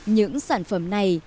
những sản phẩm này